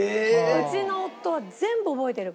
うちの夫は全部覚えてるから。